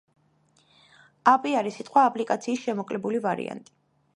აპი არის სიტყვა აპლიკაციის შემოკლებული ვარიანტი.